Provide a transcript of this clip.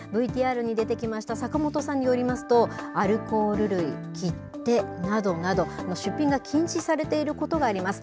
ＶＴＲに出てきました坂本さんによりますと、アルコール類、切手などなど、出品が禁止されていることがあります。